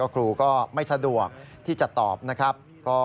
ครูก็ไม่สะดวกที่จะตอบนะครับ